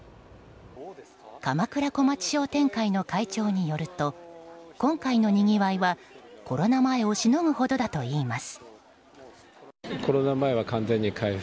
鎌倉小町商店会の会長によると今回のにぎわいは、コロナ前をしのぐほどだといいます。